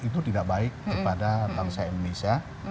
itu tidak baik kepada bangsa indonesia